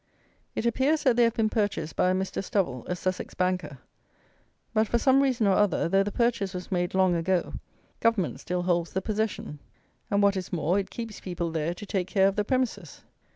It appears that they have been purchased by a Mr. Stovell, a Sussex banker; but for some reason or other, though the purchase was made long ago, "Government" still holds the possession; and, what is more, it keeps people there to take care of the premises.